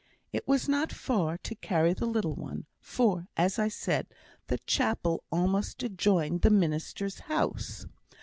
It was not far to carry the little one, for, as I said, the chapel almost adjoined the minister's house.